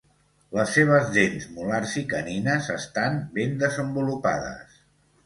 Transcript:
Les seves dents molars i canines estan ben desenvolupades.